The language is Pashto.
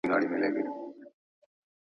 امانتداري نظام سموي.